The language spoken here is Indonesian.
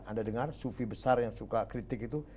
anda dengar sufi besar yang suka kritik itu